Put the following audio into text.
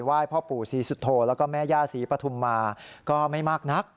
พ่อปู่ศรีสุโธแล้วก็แม่ย่าศรีปฐุมมาก็ไม่มากนัก